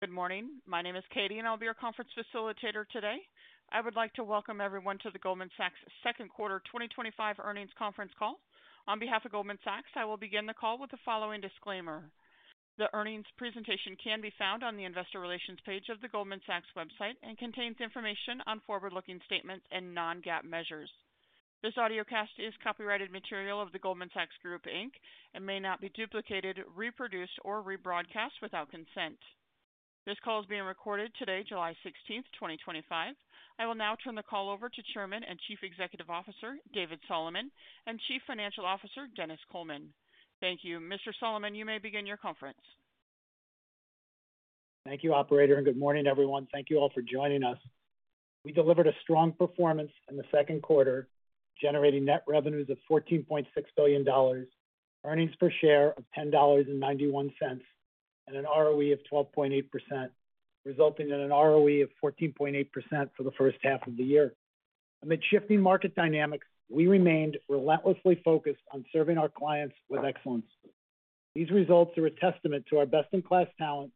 Good morning. My name is Katie, and I'll be your conference facilitator today. I would like to welcome everyone to the Goldman Sachs second quarter 2025 earnings conference call. On behalf of Goldman Sachs, I will begin the call with the following disclaimer. The earnings presentation can be found on the investor relations page of the Goldman Sachs website and contains information on forward-looking statements and non-GAAP measures. This audio cast is copyrighted material of the Goldman Sachs Group Inc., and may not be duplicated, reproduced, or rebroadcast without consent. This call is being recorded today, July 16th, 2025. I will now turn the call over to Chairman and Chief Executive Officer, David Solomon, and Chief Financial Officer, Denis Coleman. Thank you. Mr. Solomon, you may begin your conference. Thank you, Operator, and good morning, everyone. Thank you all for joining us. We delivered a strong performance in the second quarter, generating net revenues of $14.6 billion, earnings per share of $10.91, and an ROE of 12.8%, resulting in an ROE of 14.8% for the first half of the year. Amid shifting market dynamics, we remained relentlessly focused on serving our clients with excellence. These results are a testament to our best-in-class talent,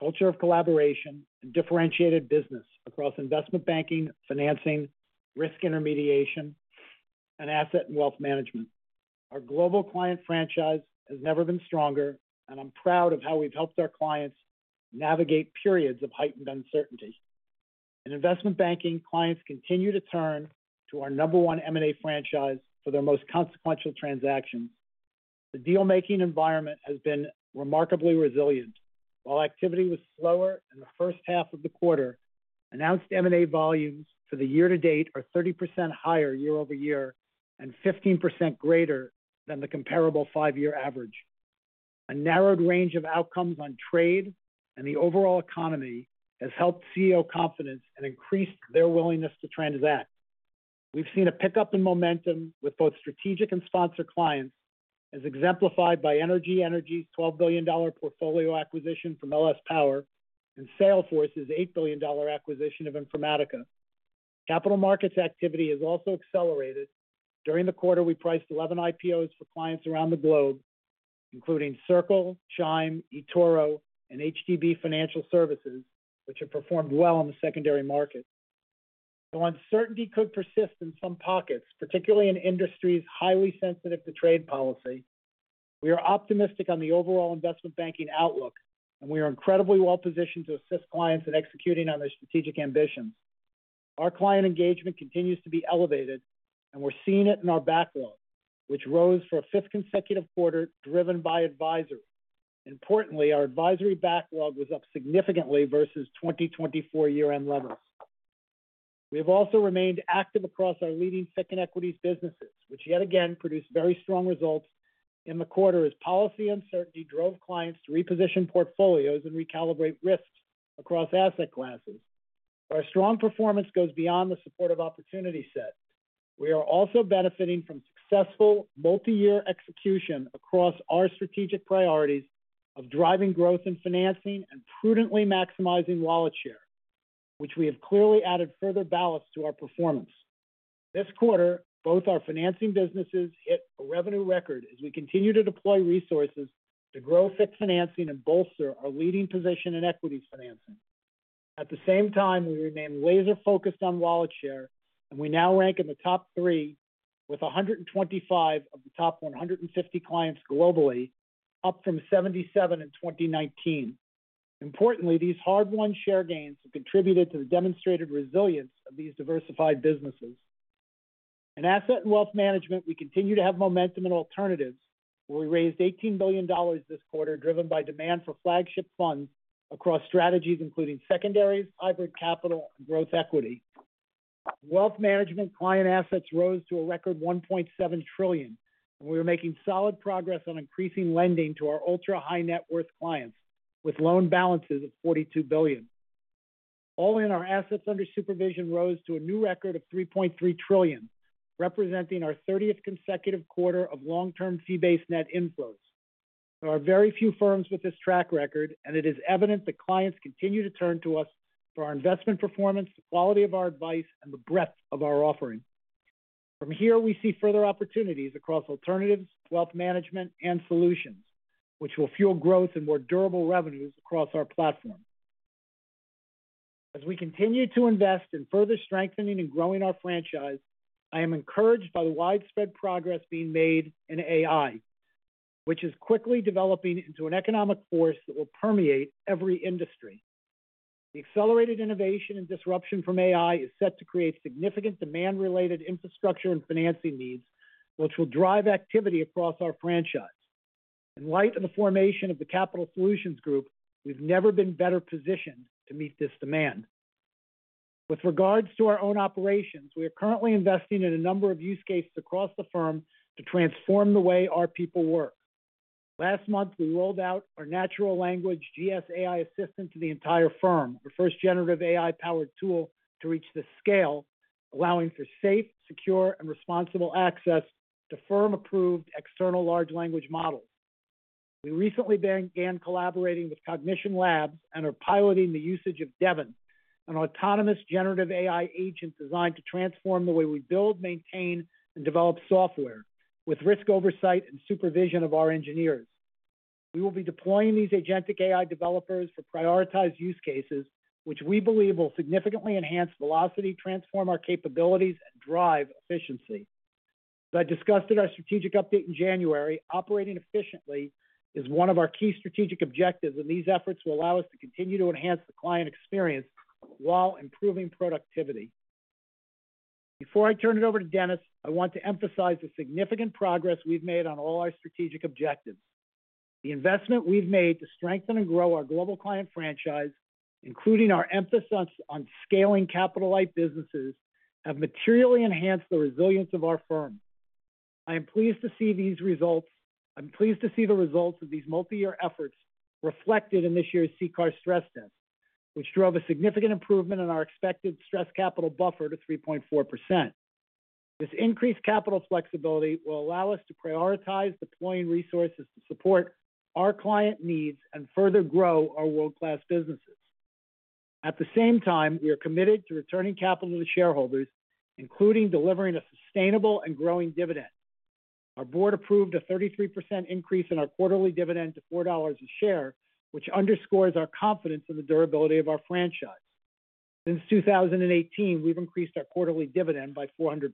culture of collaboration, and differentiated business across investment banking, financing, risk intermediation, and asset and wealth management. Our global client franchise has never been stronger, and I'm proud of how we've helped our clients navigate periods of heightened uncertainty. In investment banking, clients continue to turn to our number one M&A franchise for their most consequential transactions. The deal-making environment has been remarkably resilient. While activity was slower in the first half of the quarter, announced M&A volumes for the year-to-date are 30% higher year-over-year and 15% greater than the comparable five-year average. A narrowed range of outcomes on trade and the overall economy has helped CEO confidence and increased their willingness to transact. We've seen a pickup in momentum with both strategic and sponsor clients, as exemplified by EQT's $12 billion portfolio acquisition from LS Power and Salesforce's $8 billion acquisition of Informatica. Capital markets activity has also accelerated. During the quarter, we priced 11 IPOs for clients around the globe, including Circle, Chime, eToro, and HDB Financial Services, which have performed well in the secondary market. Though uncertainty could persist in some pockets, particularly in industries highly sensitive to trade policy, we are optimistic on the overall investment banking outlook, and we are incredibly well-positioned to assist clients in executing on their strategic ambitions. Our client engagement continues to be elevated, and we're seeing it in our backlog, which rose for a fifth consecutive quarter, driven by advisory. Importantly, our advisory backlog was up significantly versus 2024 year-end levels. We have also remained active across our leading fixed equities businesses, which yet again produced very strong results in the quarter as policy uncertainty drove clients to reposition portfolios and recalibrate risks across asset classes. Our strong performance goes beyond the supportive opportunity set. We are also benefiting from successful multi-year execution across our strategic priorities of driving growth in financing and prudently maximizing wallet share, which we have clearly added further ballast to our performance. This quarter, both our financing businesses hit a revenue record as we continue to deploy resources to grow fixed financing and bolster our leading position in equities financing. At the same time, we remain laser-focused on wallet share, and we now rank in the top three with 125 of the top 150 clients globally, up from 77 in 2019. Importantly, these hard-won share gains have contributed to the demonstrated resilience of these diversified businesses. In asset and wealth management, we continue to have momentum in alternatives, where we raised $18 billion this quarter, driven by demand for flagship funds across strategies including secondaries, hybrid capital, and growth equity. Wealth management client assets rose to a record $1.7 trillion, and we are making solid progress on increasing lending to our ultra-high-net-worth clients with loan balances of $42 billion. All in, our assets under supervision rose to a new record of $3.3 trillion, representing our 30th consecutive quarter of long-term fee-based net inflows. There are very few firms with this track record, and it is evident that clients continue to turn to us for our investment performance, the quality of our advice, and the breadth of our offering. From here, we see further opportunities across alternatives, wealth management, and solutions, which will fuel growth and more durable revenues across our platform. As we continue to invest in further strengthening and growing our franchise, I am encouraged by the widespread progress being made in AI, which is quickly developing into an economic force that will permeate every industry. The accelerated innovation and disruption from AI is set to create significant demand-related infrastructure and financing needs, which will drive activity across our franchise. In light of the formation of the Capital Solutions Group, we've never been better positioned to meet this demand. With regards to our own operations, we are currently investing in a number of use cases across the firm to transform the way our people work. Last month, we rolled out our natural language GS AI assistant to the entire firm, our first generative AI-powered tool to reach this scale, allowing for safe, secure, and responsible access to firm-approved external large language models. We recently began collaborating with Cognition Labs and are piloting the usage of Devin, an autonomous generative AI agent designed to transform the way we build, maintain, and develop software, with risk oversight and supervision of our engineers. We will be deploying these agentic AI developers for prioritized use cases, which we believe will significantly enhance velocity, transform our capabilities, and drive efficiency. As I discussed at our strategic update in January, operating efficiently is one of our key strategic objectives, and these efforts will allow us to continue to enhance the client experience while improving productivity. Before I turn it over to Denis, I want to emphasize the significant progress we've made on all our strategic objectives. The investment we've made to strengthen and grow our global client franchise, including our emphasis on scaling capital-like businesses, has materially enhanced the resilience of our firm. I am pleased to see these results. I'm pleased to see the results of these multi-year efforts reflected in this year's CCAR stress test, which drove a significant improvement in our expected stress capital buffer to 3.4%. This increased capital flexibility will allow us to prioritize deploying resources to support our client needs and further grow our world-class businesses. At the same time, we are committed to returning capital to shareholders, including delivering a sustainable and growing dividend. Our board approved a 33% increase in our quarterly dividend to $4 a share, which underscores our confidence in the durability of our franchise. Since 2018, we've increased our quarterly dividend by 400%.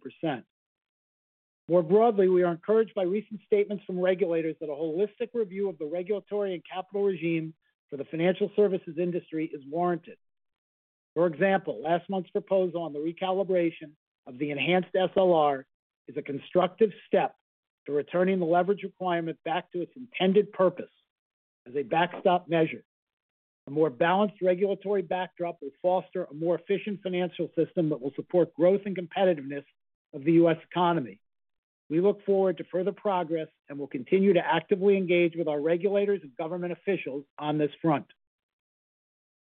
More broadly, we are encouraged by recent statements from regulators that a holistic review of the regulatory and capital regime for the financial services industry is warranted. For example, last month's proposal on the recalibration of the enhanced SLR is a constructive step to returning the leverage requirement back to its intended purpose as a backstop measure. A more balanced regulatory backdrop will foster a more efficient financial system that will support growth and competitiveness of the U.S. economy. We look forward to further progress and will continue to actively engage with our regulators and government officials on this front.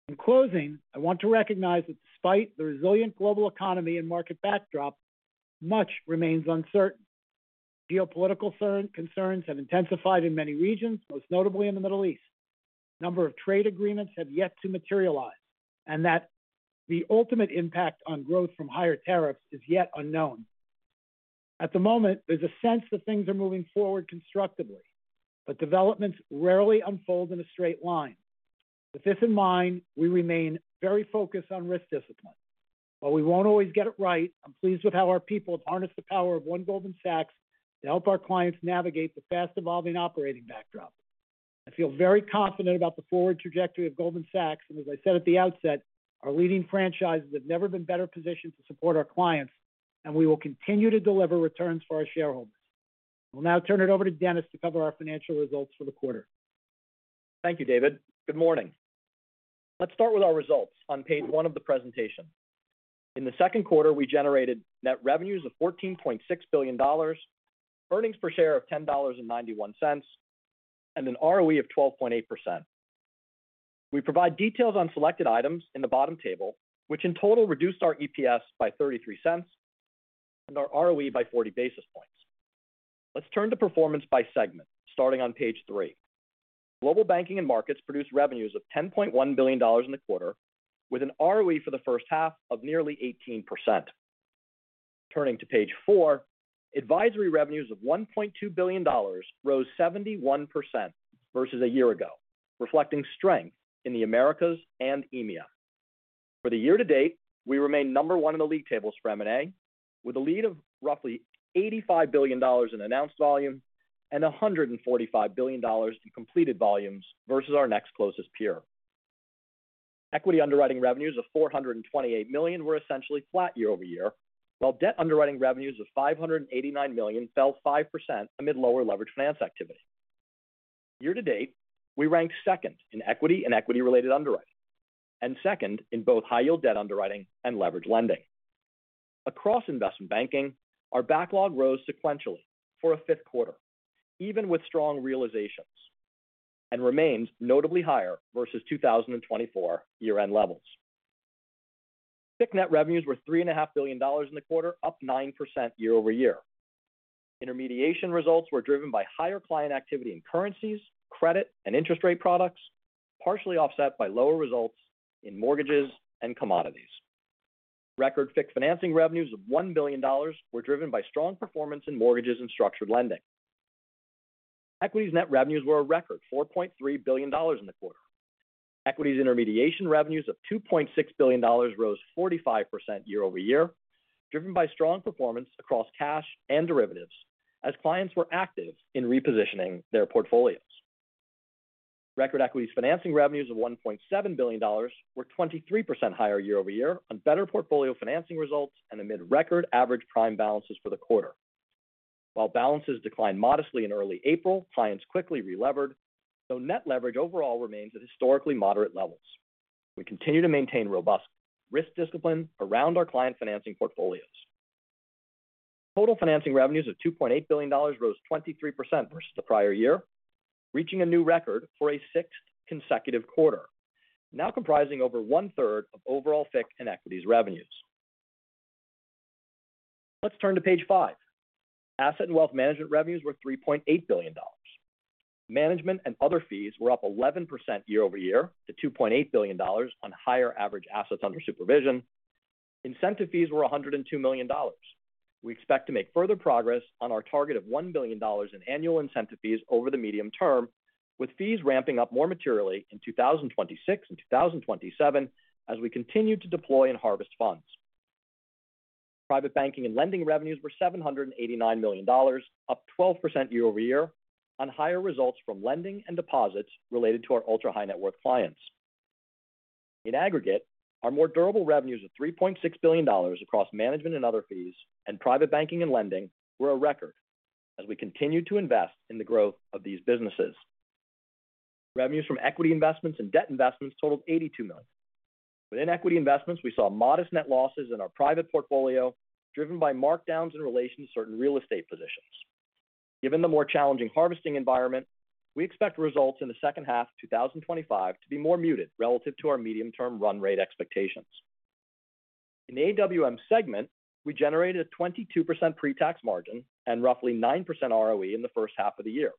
In closing, I want to recognize that despite the resilient global economy and market backdrop, much remains uncertain. Geopolitical concerns have intensified in many regions, most notably in the Middle East. A number of trade agreements have yet to materialize, and the ultimate impact on growth from higher tariffs is yet unknown. At the moment, there's a sense that things are moving forward constructively, but developments rarely unfold in a straight line. With this in mind, we remain very focused on risk discipline. While we won't always get it right, I'm pleased with how our people have harnessed the power of one Goldman Sachs to help our clients navigate the fast-evolving operating backdrop. I feel very confident about the forward trajectory of Goldman Sachs, and as I said at the outset, our leading franchises have never been better positioned to support our clients, and we will continue to deliver returns for our shareholders. I'll now turn it over to Denis to cover our financial results for the quarter. Thank you, David. Good morning. Let's start with our results on page one of the presentation. In the second quarter, we generated net revenues of $14.6 billion, earnings per share of $10.91, and an ROE of 12.8%. We provide details on selected items in the bottom table, which in total reduced our EPS by $0.33 and our ROE by 40 basis points. Let's turn to performance by segment, starting on page three. Global banking and markets produced revenues of $10.1 billion in the quarter, with an ROE for the first half of nearly 18%. Turning to page four, advisory revenues of $1.2 billion rose 71% versus a year ago, reflecting strength in the Americas and EMEA. For the year to date, we remain number one in the league tables for M&A, with a lead of roughly $85 billion in announced volume and $145 billion in completed volumes versus our next closest peer. Equity underwriting revenues of $428 million were essentially flat year-over-year, while debt underwriting revenues of $589 million fell 5% amid lower leverage finance activity. Year to date, we ranked second in equity and equity-related underwriting, and second in both high-yield debt underwriting and leverage lending. Across investment banking, our backlog rose sequentially for a fifth quarter, even with strong realizations, and remains notably higher versus 2024 year-end levels. Fixed net revenues were $3.5 billion in the quarter, up 9% year-over-year. Intermediation results were driven by higher client activity in currencies, credit, and interest rate products, partially offset by lower results in mortgages and commodities. Record fixed financing revenues of $1 billion were driven by strong performance in mortgages and structured lending. Equities net revenues were a record $4.3 billion in the quarter. Equities intermediation revenues of $2.6 billion rose 45% year-over-year, driven by strong performance across cash and derivatives as clients were active in repositioning their portfolios. Record equities financing revenues of $1.7 billion were 23% higher year-over-year on better portfolio financing results and amid record average prime balances for the quarter. While balances declined modestly in early April, clients quickly re-levered, so net leverage overall remains at historically moderate levels. We continue to maintain robust risk discipline around our client financing portfolios. Total financing revenues of $2.8 billion rose 23% versus the prior year, reaching a new record for a sixth consecutive quarter, now comprising over one-third of overall fixed and equities revenues. Let's turn to page five. Asset and wealth management revenues were $3.8 billion. Management and other fees were up 11% year-over-year to $2.8 billion on higher average assets under supervision. Incentive fees were $102 million. We expect to make further progress on our target of $1 billion in annual incentive fees over the medium term, with fees ramping up more materially in 2026 and 2027 as we continue to deploy and harvest funds. Private banking and lending revenues were $789 million, up 12% year-over-year on higher results from lending and deposits related to our ultra-high-net-worth clients. In aggregate, our more durable revenues of $3.6 billion across management and other fees and private banking and lending were a record as we continue to invest in the growth of these businesses. Revenues from equity investments and debt investments totaled $82 million. Within equity investments, we saw modest net losses in our private portfolio, driven by markdowns in relation to certain real estate positions. Given the more challenging harvesting environment, we expect results in the second half of 2025 to be more muted relative to our medium-term run rate expectations. In the AWM segment, we generated a 22% pre-tax margin and roughly 9% ROE in the first half of the year.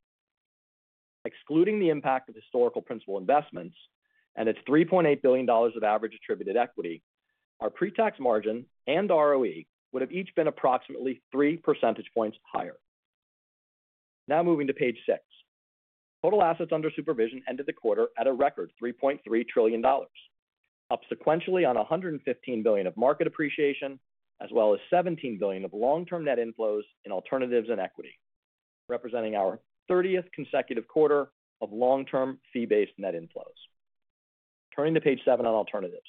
Excluding the impact of historical principal investments and its $3.8 billion of average attributed equity, our pre-tax margin and ROE would have each been approximately three percentage points higher. Now moving to page six. Total assets under supervision ended the quarter at a record $3.3 trillion, up sequentially on $115 billion of market appreciation, as well as $17 billion of long-term net inflows in alternatives and equity, representing our 30th consecutive quarter of long-term fee-based net inflows. Turning to page seven on alternatives.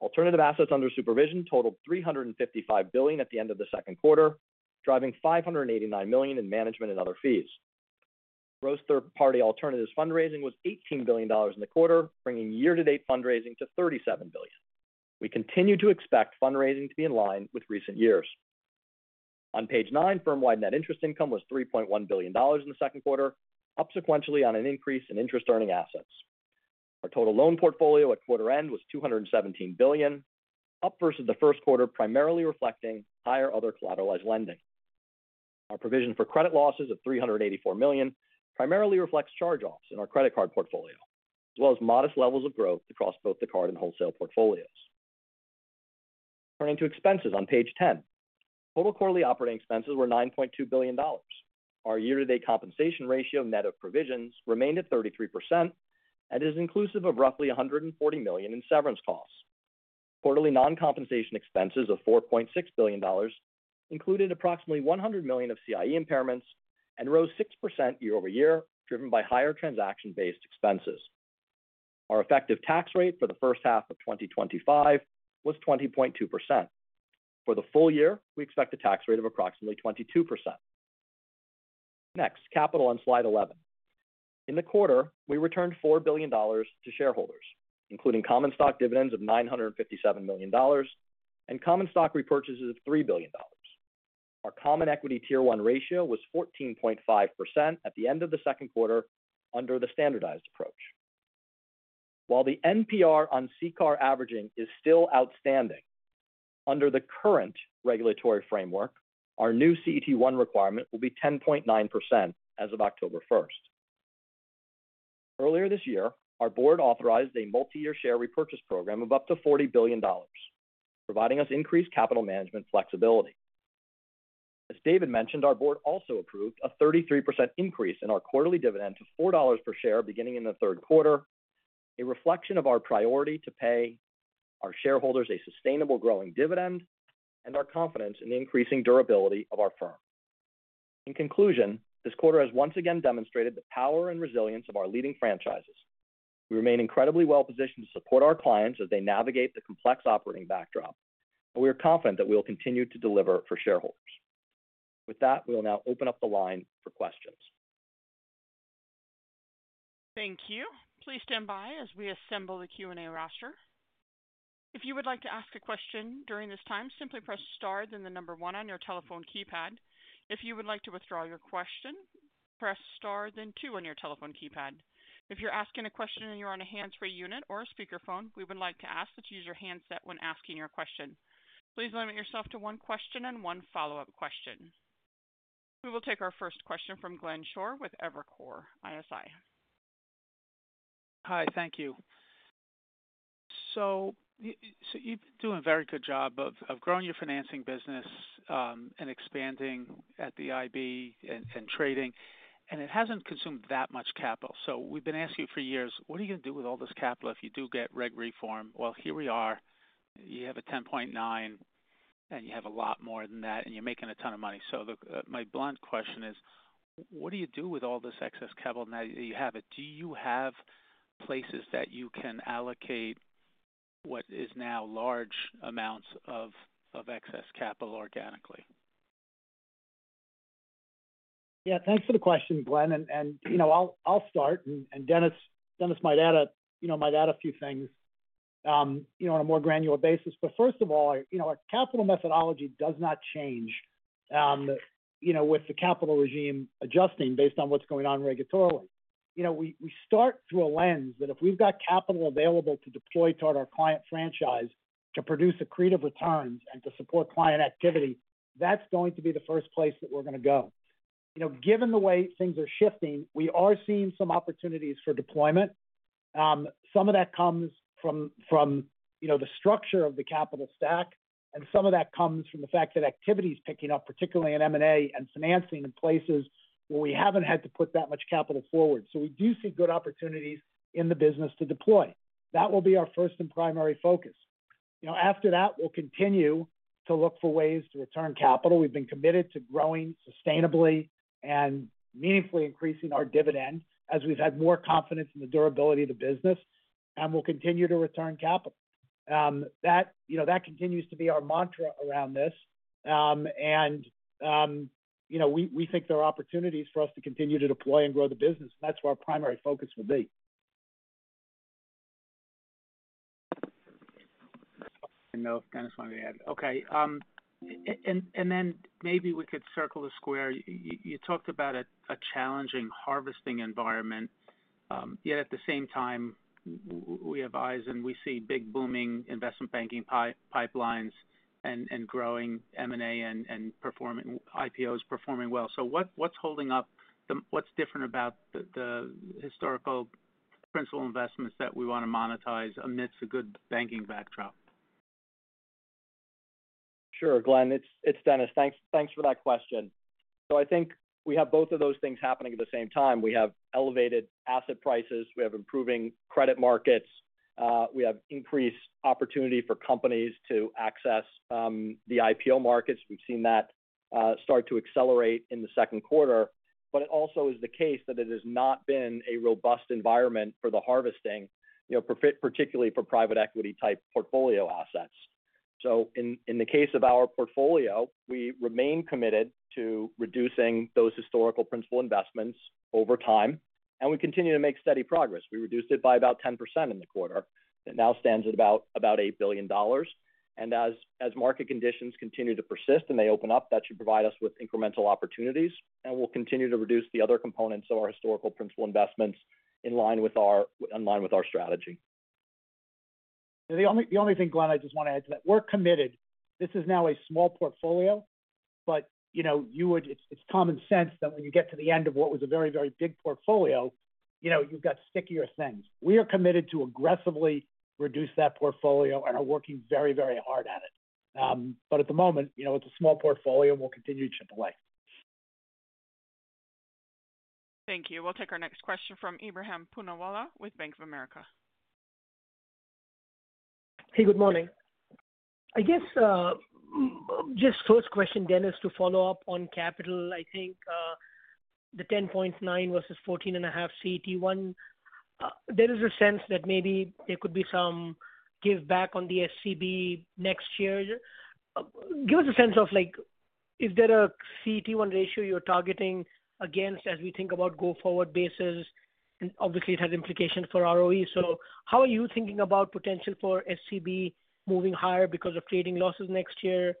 Alternative assets under supervision totaled $355 billion at the end of the second quarter, driving $589 million in management and other fees. Gross third-party alternatives fundraising was $18 billion in the quarter, bringing year-to-date fundraising to $37 billion. We continue to expect fundraising to be in line with recent years. On page nine, firm-wide net interest income was $3.1 billion in the second quarter, up sequentially on an increase in interest-earning assets. Our total loan portfolio at quarter end was $217 billion, up versus the first quarter, primarily reflecting higher other collateralized lending. Our provision for credit losses of $384 million primarily reflects charge-offs in our credit card portfolio, as well as modest levels of growth across both the card and wholesale portfolios. Turning to expenses on page 10, total quarterly operating expenses were $9.2 billion. Our year-to-date compensation ratio net of provisions remained at 33% and is inclusive of roughly $140 million in severance costs. Quarterly non-compensation expenses of $4.6 billion included approximately $100 million of CIE impairments and rose 6% year-over-year, driven by higher transaction-based expenses. Our effective tax rate for the first half of 2025 was 20.2%. For the full year, we expect a tax rate of approximately 22%. Next, capital on slide 11. In the quarter, we returned $4 billion to shareholders, including common stock dividends of $957 million and common stock repurchases of $3 billion. Our common equity tier one ratio was 14.5% at the end of the second quarter under the standardized approach. While the NPR on CCAR averaging is still outstanding, under the current regulatory framework, our new CET1 requirement will be 10.9% as of October 1st. Earlier this year, our board authorized a multi-year share repurchase program of up to $40 billion, providing us increased capital management flexibility. As David mentioned, our board also approved a 33% increase in our quarterly dividend to $4 per share beginning in the third quarter, a reflection of our priority to pay our shareholders a sustainable growing dividend and our confidence in the increasing durability of our firm. In conclusion, this quarter has once again demonstrated the power and resilience of our leading franchises. We remain incredibly well-positioned to support our clients as they navigate the complex operating backdrop, and we are confident that we will continue to deliver for shareholders. With that, we'll now open up the line for questions. Thank you. Please stand by as we assemble the Q&A roster. If you would like to ask a question during this time, simply press star, then the number one on your telephone keypad. If you would like to withdraw your question, press star, then two on your telephone keypad. If you're asking a question and you're on a hands-free unit or a speakerphone, we would like to ask that you use your handset when asking your question. Please limit yourself to one question and one follow-up question. We will take our first question from Glenn Schorr with Evercore ISI. Hi, thank you. You've been doing a very good job of growing your financing business and expanding at the IB and trading, and it hasn't consumed that much capital. We've been asking you for years, what are you going to do with all this capital if you do get reg reform? Here we are, you have a 10.9%, and you have a lot more than that, and you're making a ton of money. My blunt question is, what do you do with all this excess capital now that you have it? Do you have places that you can allocate what is now large amounts of excess capital organically? Yeah, thanks for the question, Glenn. I'll start, and Denis might add a few things on a more granular basis. First of all, our capital methodology does not change with the capital regime adjusting based on what's going on regulatorily. We start through a lens that if we've got capital available to deploy toward our client franchise to produce accretive returns and to support client activity, that's going to be the first place that we're going to go. Given the way things are shifting, we are seeing some opportunities for deployment. Some of that comes from the structure of the capital stack, and some of that comes from the fact that activity is picking up, particularly in M&A and financing in places where we haven't had to put that much capital forward. We do see good opportunities in the business to deploy. That will be our first and primary focus. After that, we'll continue to look for ways to return capital. We've been committed to growing sustainably and meaningfully increasing our dividend as we've had more confidence in the durability of the business, and we'll continue to return capital. That continues to be our mantra around this, and we think there are opportunities for us to continue to deploy and grow the business, and that's where our primary focus will be. I know Denis wanted to add. Okay. And then maybe we could circle the square. You talked about a challenging harvesting environment, yet at the same time, we have eyes and we see big booming investment banking pipelines and growing M&A and IPOs performing well. What's holding up? What's different about the historical principal investments that we want to monetize amidst a good banking backdrop? Sure, Glenn. It's Denis. Thanks for that question. I think we have both of those things happening at the same time. We have elevated asset prices, we have improving credit markets, we have increased opportunity for companies to access the IPO markets. We've seen that start to accelerate in the second quarter, but it also is the case that it has not been a robust environment for the harvesting, particularly for private equity-type portfolio assets. In the case of our portfolio, we remain committed to reducing those historical principal investments over time, and we continue to make steady progress. We reduced it by about 10% in the quarter. It now stands at about $8 billion. As market conditions continue to persist and they open up, that should provide us with incremental opportunities, and we'll continue to reduce the other components of our historical principal investments in line with our strategy. The only thing, Glenn, I just want to add to that. We're committed. This is now a small portfolio, but it's common sense that when you get to the end of what was a very, very big portfolio, you've got stickier things. We are committed to aggressively reduce that portfolio and are working very, very hard at it. At the moment, it's a small portfolio, and we'll continue to chip away. Thank you. We'll take our next question from Ebrahim Poonawala with Bank of America. Hey, good morning. I guess just first question, Denis, to follow up on capital, I think the 10.9% versus 14.5% CET1, there is a sense that maybe there could be some give back on the SCB next year. Give us a sense of, is there a CET1 ratio you're targeting against as we think about go-forward bases? It obviously has implications for ROE. How are you thinking about potential for SCB moving higher because of trading losses next year?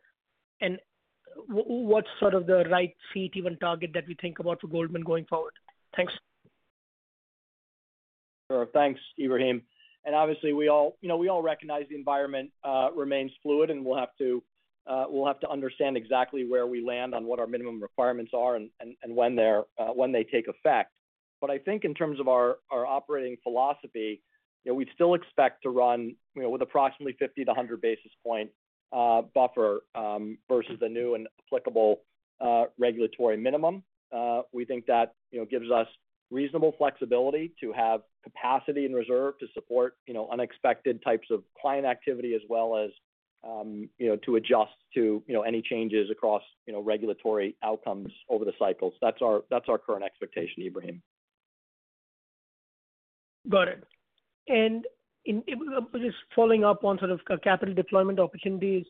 What's sort of the right CET1 target that we think about for Goldman going forward? Thanks. Sure. Thanks, Ebrahim. Obviously, we all recognize the environment remains fluid, and we'll have to understand exactly where we land on what our minimum requirements are and when they take effect. I think in terms of our operating philosophy, we'd still expect to run with approximately 50-100 basis point buffer versus a new and applicable regulatory minimum. We think that gives us reasonable flexibility to have capacity and reserve to support unexpected types of client activity as well as to adjust to any changes across regulatory outcomes over the cycles. That's our current expectation, Ebrahim. Got it. Just following up on sort of capital deployment opportunities,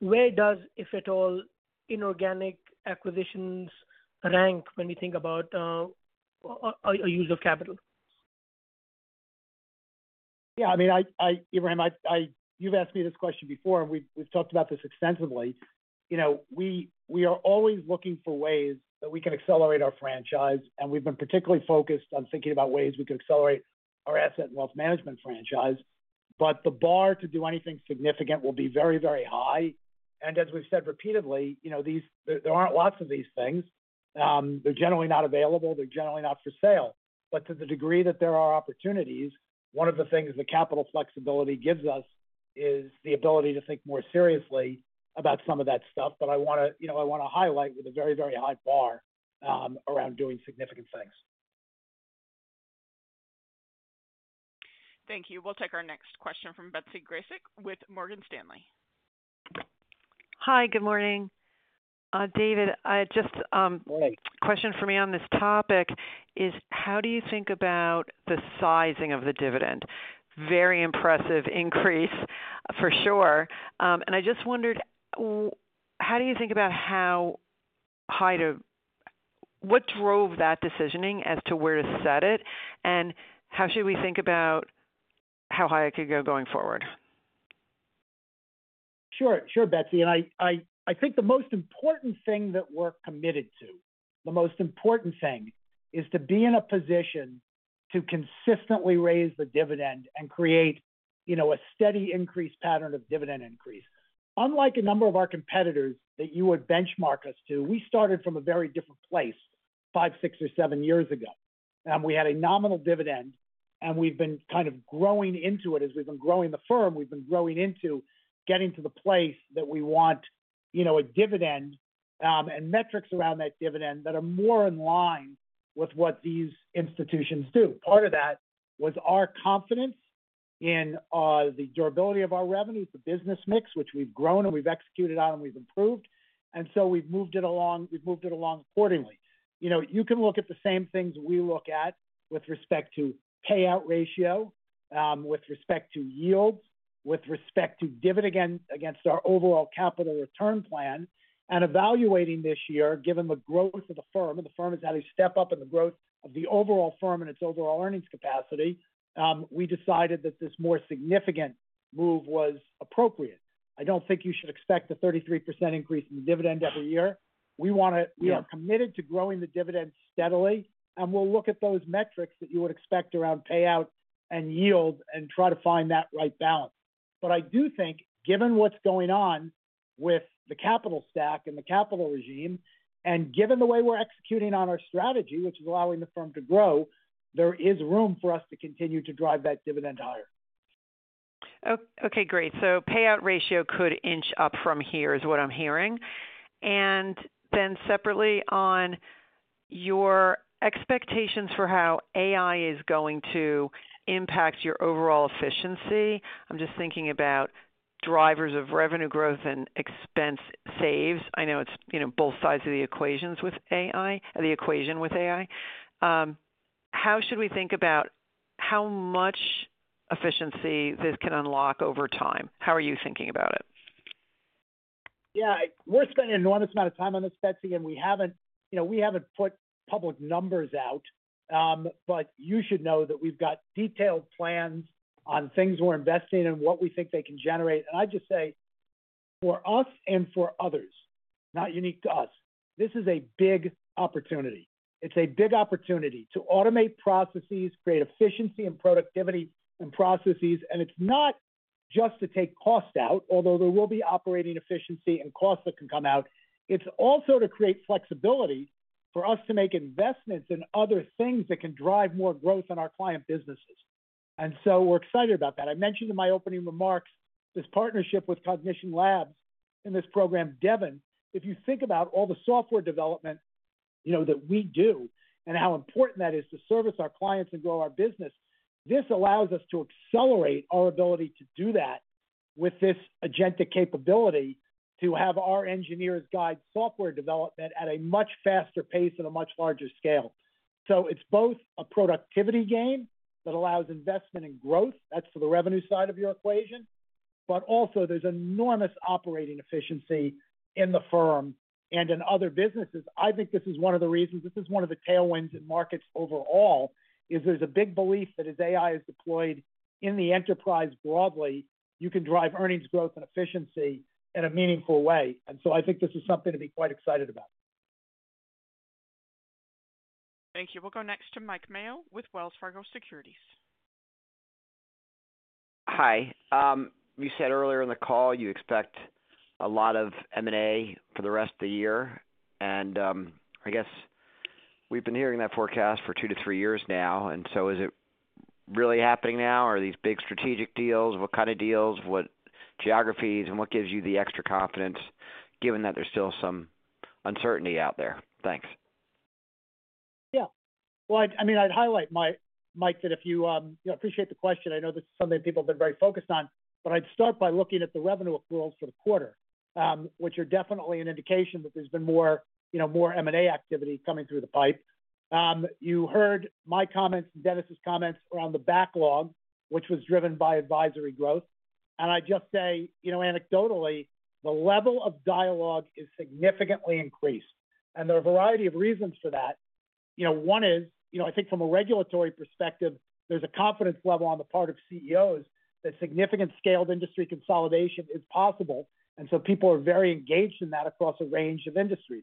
where does, if at all, inorganic acquisitions rank when we think about a use of capital? Yeah. I mean, Ebrahim, you've asked me this question before, and we've talked about this extensively. We are always looking for ways that we can accelerate our franchise, and we've been particularly focused on thinking about ways we could accelerate our asset and wealth management franchise, but the bar to do anything significant will be very, very high. As we've said repeatedly, there aren't lots of these things. They're generally not available. They're generally not for sale. To the degree that there are opportunities, one of the things that capital flexibility gives us is the ability to think more seriously about some of that stuff that I want to highlight with a very, very high bar around doing significant things. Thank you. We'll take our next question from Betsy Graseck with Morgan Stanley. Hi, good morning. David, just a question for me on this topic is, how do you think about the sizing of the dividend? Very impressive increase, for sure. I just wondered, how do you think about how high, to what drove that decisioning as to where to set it, and how should we think about how high it could go going forward? Sure, Betsy. I think the most important thing that we're committed to, the most important thing, is to be in a position to consistently raise the dividend and create a steady increase pattern of dividend increase. Unlike a number of our competitors that you would benchmark us to, we started from a very different place five, six, or seven years ago. We had a nominal dividend, and we've been kind of growing into it as we've been growing the firm. We've been growing into getting to the place that we want a dividend and metrics around that dividend that are more in line with what these institutions do. Part of that was our confidence in the durability of our revenues, the business mix, which we've grown and we've executed on and we've improved. We have moved it along accordingly. You can look at the same things we look at with respect to payout ratio, with respect to yields, with respect to dividend against our overall capital return plan. In evaluating this year, given the growth of the firm and the firm has had a step up in the growth of the overall firm and its overall earnings capacity, we decided that this more significant move was appropriate. I do not think you should expect a 33% increase in the dividend every year. We are committed to growing the dividend steadily, and we will look at those metrics that you would expect around payout and yield and try to find that right balance. I do think, given what's going on with the capital stack and the capital regime, and given the way we're executing on our strategy, which is allowing the firm to grow, there is room for us to continue to drive that dividend higher. Okay, great. Payout ratio could inch up from here is what I'm hearing. Then separately, on your expectations for how AI is going to impact your overall efficiency, I'm just thinking about drivers of revenue growth and expense saves. I know it's both sides of the equation with AI. How should we think about how much efficiency this can unlock over time? How are you thinking about it? Yeah. We're spending an enormous amount of time on this, Betsy, and we haven't put public numbers out, but you should know that we've got detailed plans on things we're investing in and what we think they can generate. I just say, for us and for others, not unique to us, this is a big opportunity. It's a big opportunity to automate processes, create efficiency and productivity in processes, and it's not just to take cost out, although there will be operating efficiency and costs that can come out. It's also to create flexibility for us to make investments in other things that can drive more growth in our client businesses. We're excited about that. I mentioned in my opening remarks this partnership with Cognition Labs in this program. Devin, if you think about all the software development that we do and how important that is to service our clients and grow our business, this allows us to accelerate our ability to do that with this agenda capability to have our engineers guide software development at a much faster pace at a much larger scale. It is both a productivity gain that allows investment and growth. That is for the revenue side of your equation. There is also enormous operating efficiency in the firm and in other businesses. I think this is one of the reasons this is one of the tailwinds in markets overall, is there is a big belief that as AI is deployed in the enterprise broadly, you can drive earnings growth and efficiency in a meaningful way. I think this is something to be quite excited about. Thank you. We'll go next to Mike Mayo with Wells Fargo Securities. Hi. You said earlier in the call you expect a lot of M&A for the rest of the year. I guess we've been hearing that forecast for two to three years now. Is it really happening now? Are these big strategic deals? What kind of deals, what geographies, and what gives you the extra confidence given that there's still some uncertainty out there? Thanks. Yeah. I mean, I'd highlight, Mike, that I appreciate the question. I know this is something people have been very focused on, but I'd start by looking at the revenue accruals for the quarter, which are definitely an indication that there's been more M&A activity coming through the pipe. You heard my comments and Denis' comments around the backlog, which was driven by advisory growth. I'd just say, anecdotally, the level of dialogue is significantly increased. There are a variety of reasons for that. One is, I think from a regulatory perspective, there's a confidence level on the part of CEOs that significant scaled industry consolidation is possible. People are very engaged in that across a range of industries.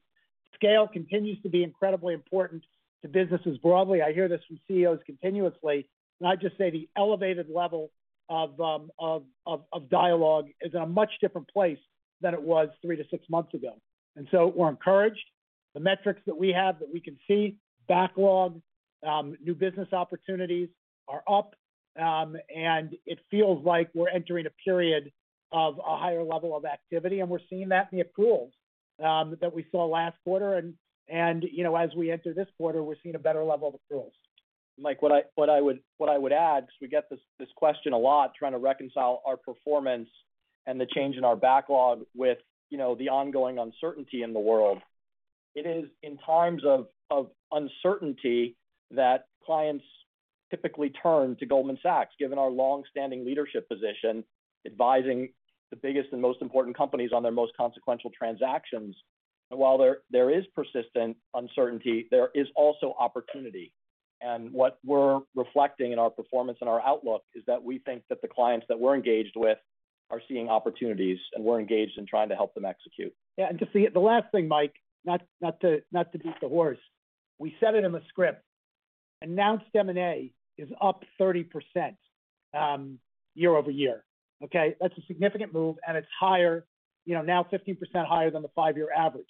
Scale continues to be incredibly important to businesses broadly. I hear this from CEOs continuously. I'd just say the elevated level of dialogue is in a much different place than it was three to six months ago. We're encouraged. The metrics that we have that we can see, backlog, new business opportunities are up, and it feels like we're entering a period of a higher level of activity. We're seeing that in the accruals that we saw last quarter. As we enter this quarter, we're seeing a better level of accruals. Mike, what I would add, because we get this question a lot trying to reconcile our performance and the change in our backlog with the ongoing uncertainty in the world, it is in times of uncertainty that clients typically turn to Goldman Sachs, given our long-standing leadership position, advising the biggest and most important companies on their most consequential transactions. While there is persistent uncertainty, there is also opportunity. What we are reflecting in our performance and our outlook is that we think that the clients that we are engaged with are seeing opportunities, and we are engaged in trying to help them execute. Yeah. Just the last thing, Mike, not to beat the horse, we said it in the script. Announced M&A is up 30% year over year. Okay? That is a significant move, and it is higher, now 15% higher than the five-year average.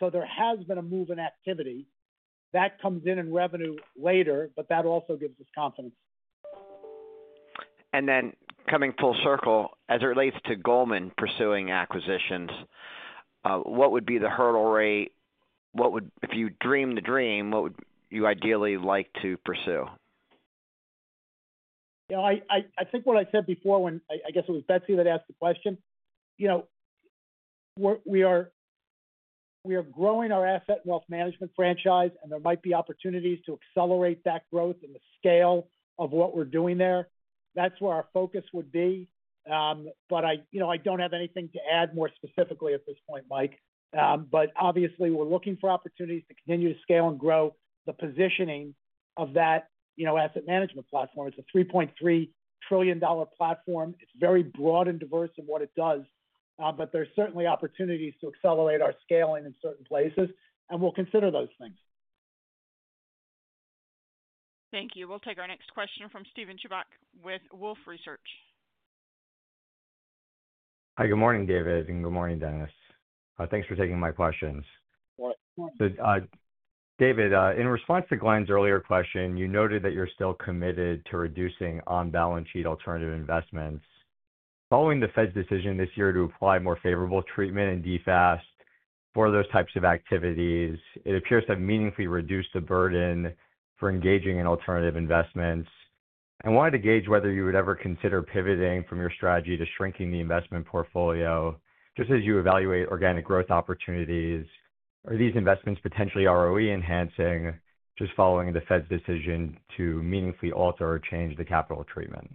There has been a move in activity. That comes in in revenue later, but that also gives us confidence. Coming full circle, as it relates to Goldman pursuing acquisitions, what would be the hurdle rate? If you dream the dream, what would you ideally like to pursue? Yeah. I think what I said before when I guess it was Betsy that asked the question, we are growing our asset and wealth management franchise, and there might be opportunities to accelerate that growth and the scale of what we're doing there. That's where our focus would be. I don't have anything to add more specifically at this point, Mike. Obviously, we're looking for opportunities to continue to scale and grow the positioning of that asset management platform. It's a $3.3 trillion platform. It's very broad and diverse in what it does, but there's certainly opportunities to accelerate our scaling in certain places, and we'll consider those things. Thank you. We'll take our next question from Steven Chubak with Wolfe Research. Hi. Good morning, David, and good morning, Denis. Thanks for taking my questions. David, in response to Glenn's earlier question, you noted that you're still committed to reducing on-balance sheet alternative investments. Following the Fed's decision this year to apply more favorable treatment and defas for those types of activities, it appears to have meaningfully reduced the burden for engaging in alternative investments. I wanted to gauge whether you would ever consider pivoting from your strategy to shrinking the investment portfolio just as you evaluate organic growth opportunities. Are these investments potentially ROE-enhancing just following the Fed's decision to meaningfully alter or change the capital treatment?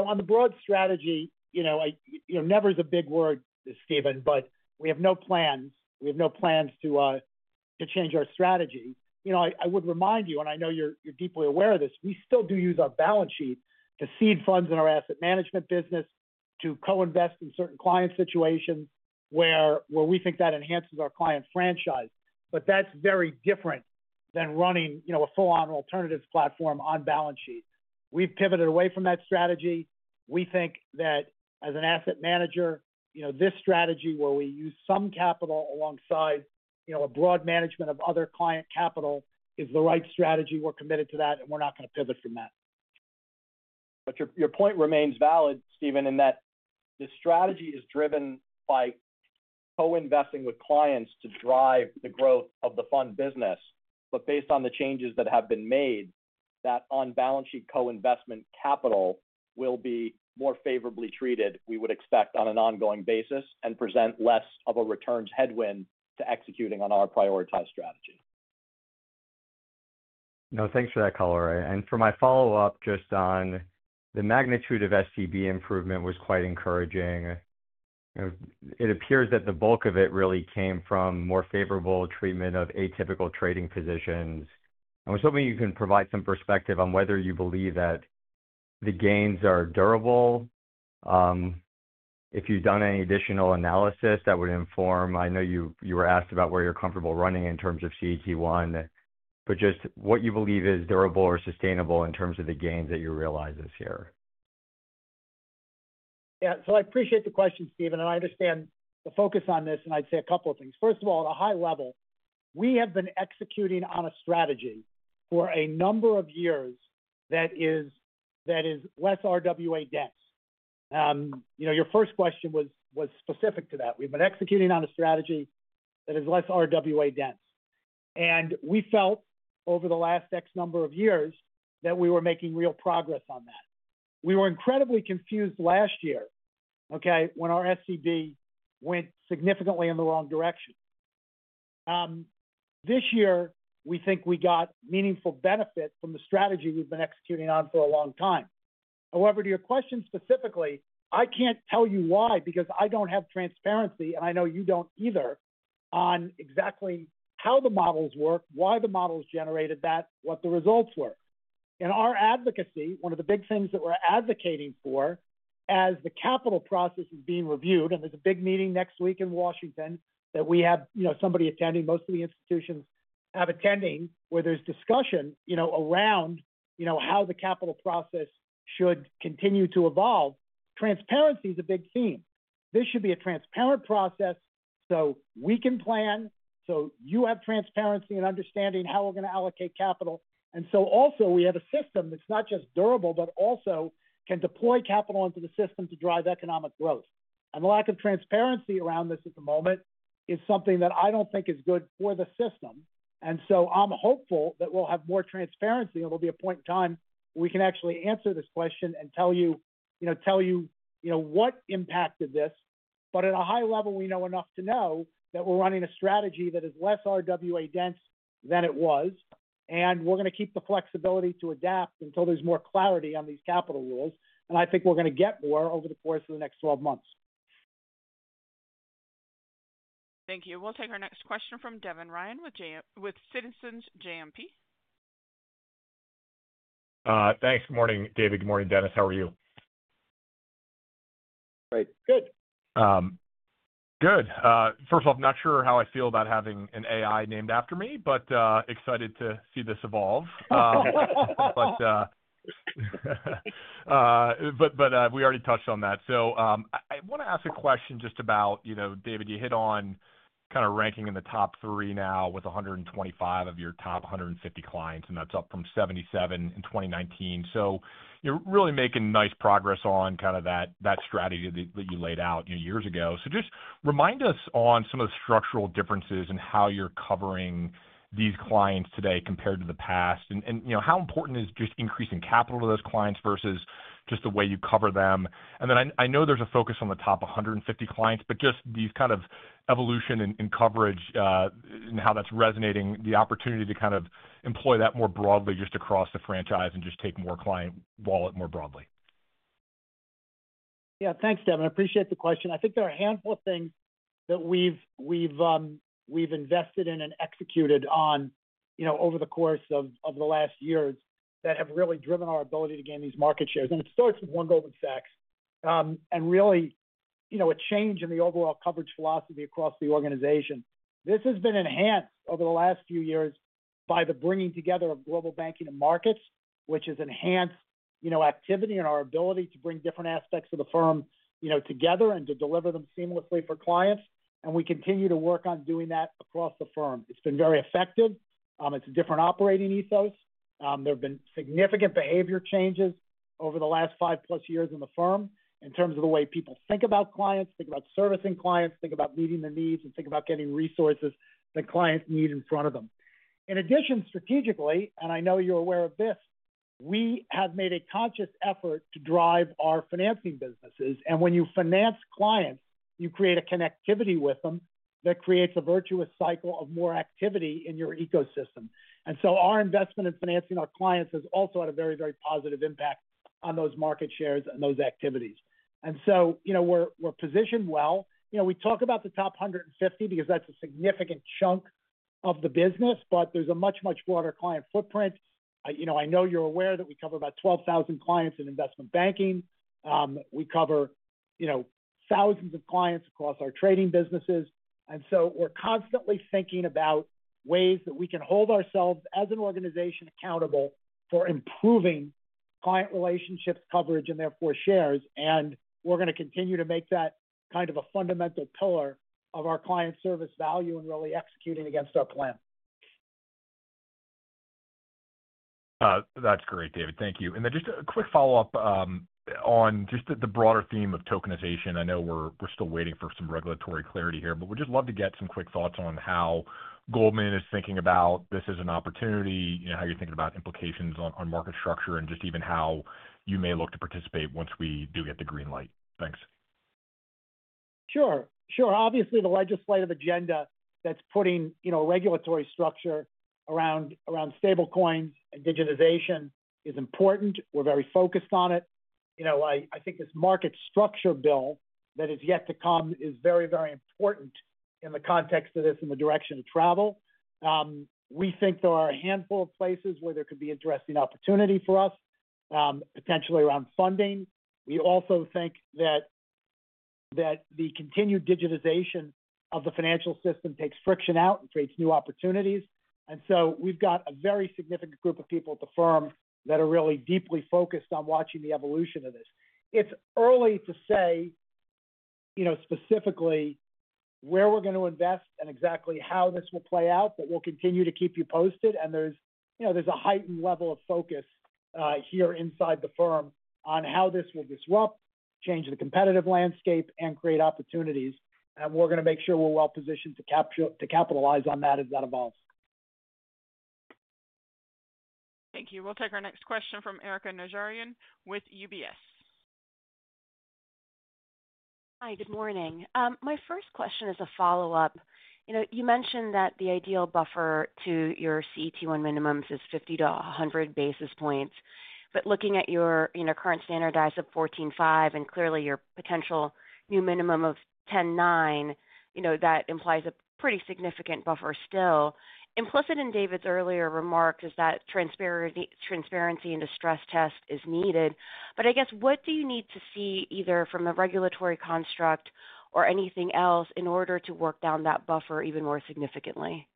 On the broad strategy, never is a big word, Steven, but we have no plans. We have no plans to change our strategy. I would remind you, and I know you're deeply aware of this, we still do use our balance sheet to seed funds in our asset management business, to co-invest in certain client situations where we think that enhances our client franchise. That is very different than running a full-on alternative platform on balance sheet. We've pivoted away from that strategy. We think that as an asset manager, this strategy where we use some capital alongside a broad management of other client capital is the right strategy. We're committed to that, and we're not going to pivot from that. Your point remains valid, Steven, in that the strategy is driven by co-investing with clients to drive the growth of the fund business. Based on the changes that have been made, that on-balance sheet co-investment capital will be more favorably treated, we would expect on an ongoing basis and present less of a returns headwind to executing on our prioritized strategy. No, thanks for that, Colore. For my follow-up, just on the magnitude of STB improvement was quite encouraging. It appears that the bulk of it really came from more favorable treatment of atypical trading positions. I was hoping you can provide some perspective on whether you believe that the gains are durable. If you've done any additional analysis that would inform, I know you were asked about where you're comfortable running in terms of CET1, but just what you believe is durable or sustainable in terms of the gains that you realize this year. Yeah. I appreciate the question, Steven, and I understand the focus on this, and I'd say a couple of things. First of all, at a high level, we have been executing on a strategy for a number of years that is less RWA dense. Your first question was specific to that. We've been executing on a strategy that is less RWA dense. We felt, over the last X number of years, that we were making real progress on that. We were incredibly confused last year, okay, when our STB went significantly in the wrong direction. This year, we think we got meaningful benefit from the strategy we've been executing on for a long time. However, to your question specifically, I can't tell you why because I don't have transparency, and I know you don't either, on exactly how the models work, why the models generated that, what the results were. In our advocacy, one of the big things that we're advocating for as the capital process is being reviewed, and there's a big meeting next week in Washington that we have somebody attending, most of the institutions have attending, where there's discussion around how the capital process should continue to evolve. Transparency is a big theme. This should be a transparent process so we can plan, so you have transparency and understanding how we're going to allocate capital. Also, we have a system that's not just durable, but also can deploy capital into the system to drive economic growth. The lack of transparency around this at the moment is something that I don't think is good for the system. I'm hopeful that we'll have more transparency, and there'll be a point in time where we can actually answer this question and tell you what impacted this. At a high level, we know enough to know that we're running a strategy that is less RWA dense than it was, and we're going to keep the flexibility to adapt until there's more clarity on these capital rules. I think we're going to get more over the course of the next 12 months. Thank you. We'll take our next question from Devin Ryan with Citizens JMP. Thanks. Good morning, David. Good morning, Denis. How are you? Great. Good. Good. First of all, I'm not sure how I feel about having an AI named after me, but excited to see this evolve. We already touched on that. I want to ask a question just about, David, you hit on kind of ranking in the top three now with 125 of your top 150 clients, and that's up from 77 in 2019. You're really making nice progress on kind of that strategy that you laid out years ago. Just remind us on some of the structural differences in how you're covering these clients today compared to the past, and how important is just increasing capital to those clients versus just the way you cover them. I know there's a focus on the top 150 clients, but just these kind of evolution in coverage and how that's resonating, the opportunity to kind of employ that more broadly just across the franchise and just take more client wallet more broadly. Yeah. Thanks, Devin. I appreciate the question. I think there are a handful of things that we've invested in and executed on over the course of the last years that have really driven our ability to gain these market shares. It starts with one Goldman Sachs and really a change in the overall coverage philosophy across the organization. This has been enhanced over the last few years by the bringing together of global banking and markets, which has enhanced activity and our ability to bring different aspects of the firm together and to deliver them seamlessly for clients. We continue to work on doing that across the firm. It's been very effective. It's a different operating ethos. There have been significant behavior changes over the last five-plus years in the firm in terms of the way people think about clients, think about servicing clients, think about meeting the needs, and think about getting resources that clients need in front of them. In addition, strategically, and I know you're aware of this, we have made a conscious effort to drive our financing businesses. When you finance clients, you create a connectivity with them that creates a virtuous cycle of more activity in your ecosystem. Our investment in financing our clients has also had a very, very positive impact on those market shares and those activities. We are positioned well. We talk about the top 150 clients because that's a significant chunk of the business, but there's a much, much broader client footprint. I know you're aware that we cover about 12,000 clients in investment banking. We cover thousands of clients across our trading businesses. We are constantly thinking about ways that we can hold ourselves as an organization accountable for improving client relationships, coverage, and therefore shares. We are going to continue to make that kind of a fundamental pillar of our client service value and really executing against our plan. That's great, David. Thank you. Just a quick follow-up on just the broader theme of tokenization. I know we're still waiting for some regulatory clarity here, but we'd just love to get some quick thoughts on how Goldman is thinking about this as an opportunity, how you're thinking about implications on market structure, and just even how you may look to participate once we do get the green light. Thanks. Sure. Obviously, the legislative agenda that's putting regulatory structure around stablecoins and digitization is important. We're very focused on it. I think this market structure bill that is yet to come is very, very important in the context of this and the direction to travel. We think there are a handful of places where there could be addressing opportunity for us, potentially around funding. We also think that the continued digitization of the financial system takes friction out and creates new opportunities. We have a very significant group of people at the firm that are really deeply focused on watching the evolution of this. It's early to say specifically where we're going to invest and exactly how this will play out, but we'll continue to keep you posted. There is a heightened level of focus here inside the firm on how this will disrupt, change the competitive landscape, and create opportunities. We are going to make sure we are well positioned to capitalize on that as that evolves. Thank you. We'll take our next question from Erika Najarian with UBS. Hi. Good morning. My first question is a follow-up. You mentioned that the ideal buffer to your CET1 minimums is 50 to 100 basis points. Looking at your current standardized of 14.5% and clearly your potential new minimum of 10.9%, that implies a pretty significant buffer still. Implicit in David's earlier remarks is that transparency and distress test is needed. I guess, what do you need to see either from a regulatory construct or anything else in order to work down that buffer even more significantly?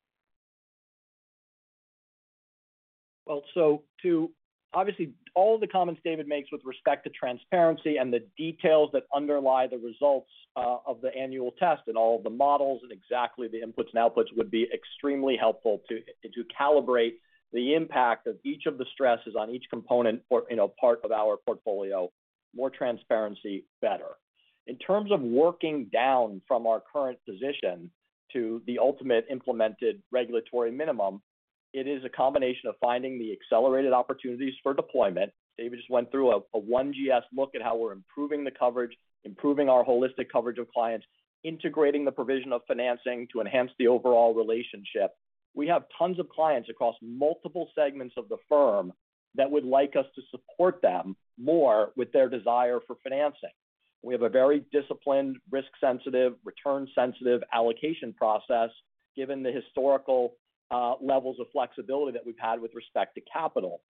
Obviously, all of the comments David makes with respect to transparency and the details that underlie the results of the annual test and all of the models and exactly the inputs and outputs would be extremely helpful to calibrate the impact of each of the stresses on each component or part of our portfolio. More transparency, better. In terms of working down from our current position to the ultimate implemented regulatory minimum, it is a combination of finding the accelerated opportunities for deployment. David just went through a 1GS look at how we're improving the coverage, improving our holistic coverage of clients, integrating the provision of financing to enhance the overall relationship. We have tons of clients across multiple segments of the firm that would like us to support them more with their desire for financing. We have a very disciplined, risk-sensitive, return-sensitive allocation process given the historical levels of flexibility that we've had with respect to capital.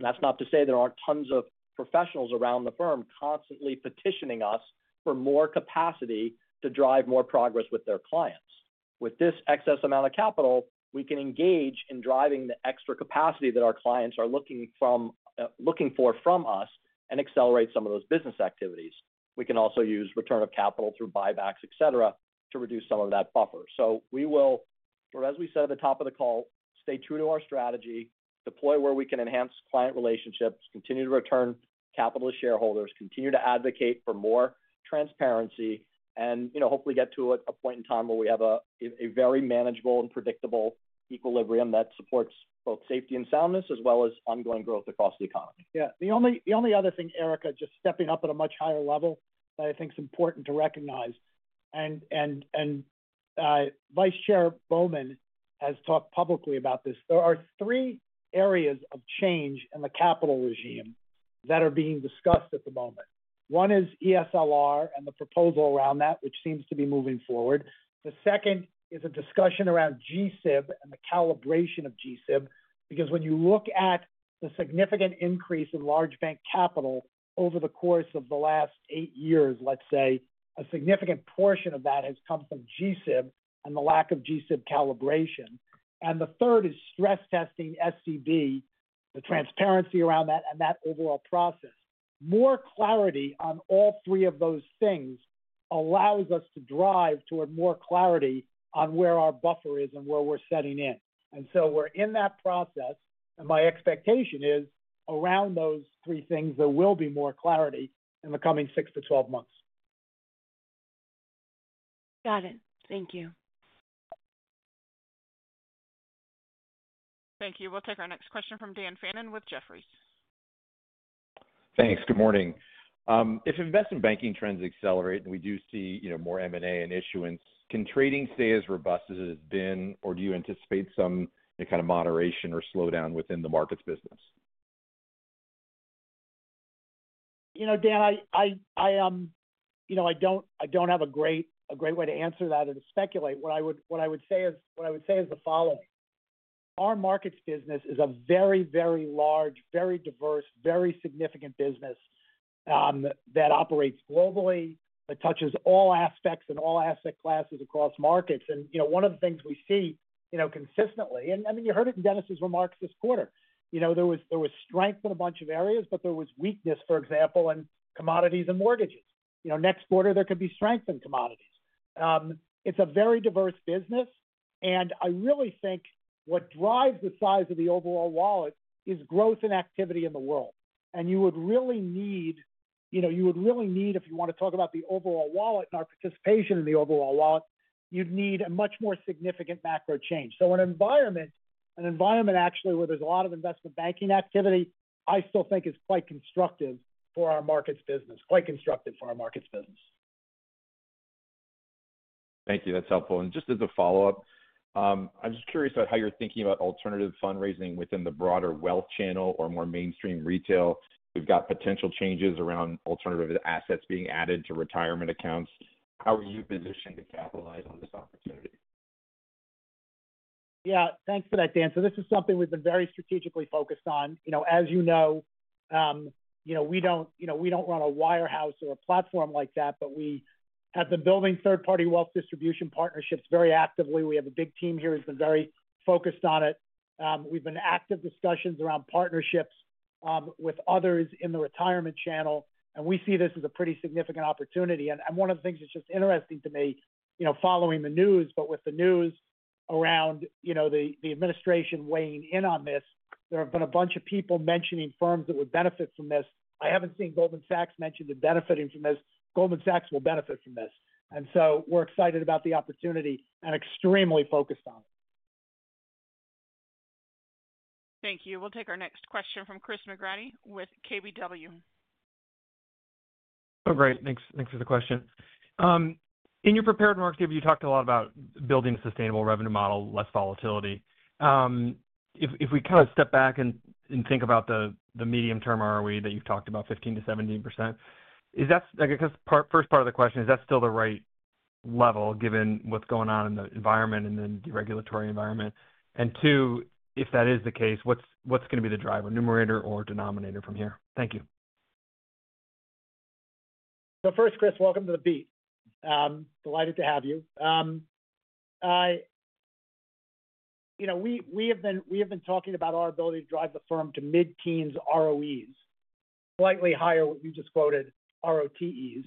That's not to say there aren't tons of professionals around the firm constantly petitioning us for more capacity to drive more progress with their clients. With this excess amount of capital, we can engage in driving the extra capacity that our clients are looking for from us and accelerate some of those business activities. We can also use return of capital through buybacks, etc., to reduce some of that buffer. We will, as we said at the top of the call, stay true to our strategy, deploy where we can enhance client relationships, continue to return capital to shareholders, continue to advocate for more transparency, and hopefully get to a point in time where we have a very manageable and predictable equilibrium that supports both safety and soundness as well as ongoing growth across the economy. Yeah. The only other thing, Erika, just stepping up at a much higher level that I think is important to recognize. Vice Chair Bowman has talked publicly about this. There are three areas of change in the capital regime that are being discussed at the moment. One is ESLR and the proposal around that, which seems to be moving forward. The second is a discussion around GSIB and the calibration of GSIB because when you look at the significant increase in large bank capital over the course of the last eight years, let's say, a significant portion of that has come from GSIB and the lack of GSIB calibration. The third is stress testing STB, the transparency around that, and that overall process. More clarity on all three of those things allows us to drive toward more clarity on where our buffer is and where we're setting in. We're in that process, and my expectation is around those three things, there will be more clarity in the coming 6-12 months. Got it. Thank you. Thank you. We'll take our next question from Dan Fannon with Jefferies. Thanks. Good morning. If investment banking trends accelerate and we do see more M&A and issuance, can trading stay as robust as it has been, or do you anticipate some kind of moderation or slowdown within the markets business? Dan, I do not have a great way to answer that or to speculate. What I would say is the following. Our markets business is a very, very large, very diverse, very significant business that operates globally, that touches all aspects and all asset classes across markets. One of the things we see consistently, I mean, you heard it in Denis' remarks this quarter, there was strength in a bunch of areas, but there was weakness, for example, in commodities and mortgages. Next quarter, there could be strength in commodities. It is a very diverse business, and I really think what drives the size of the overall wallet is growth and activity in the world. You would really need, if you want to talk about the overall wallet and our participation in the overall wallet, you would need a much more significant macro change. An environment, actually, where there is a lot of investment banking activity, I still think is quite constructive for our markets business, quite constructive for our markets business. Thank you. That's helpful. Just as a follow-up, I'm just curious about how you're thinking about alternative fundraising within the broader wealth channel or more mainstream retail. We've got potential changes around alternative assets being added to retirement accounts. How are you positioned to capitalize on this opportunity? Yeah. Thanks for that, Dan. This is something we've been very strategically focused on. As you know, we don't run a wirehouse or a platform like that, but we have been building third-party wealth distribution partnerships very actively. We have a big team here who's been very focused on it. We've been in active discussions around partnerships with others in the retirement channel, and we see this as a pretty significant opportunity. One of the things that's just interesting to me, following the news, but with the news around the administration weighing in on this, there have been a bunch of people mentioning firms that would benefit from this. I haven't seen Goldman Sachs mentioned in benefiting from this. Goldman Sachs will benefit from this. We are excited about the opportunity and extremely focused on it. Thank you. We'll take our next question from Chris McGrady with KBW. Oh, great. Thanks for the question. In your prepared market, you talked a lot about building a sustainable revenue model, less volatility. If we kind of step back and think about the medium-term ROE that you've talked about, 15%-17%, I guess the first part of the question, is that still the right level given what's going on in the environment and the regulatory environment? Two, if that is the case, what's going to be the driver, numerator or denominator from here? Thank you. First, Chris, welcome to the beat. Delighted to have you. We have been talking about our ability to drive the firm to mid-teens ROEs, slightly higher than what you just quoted, ROTEs.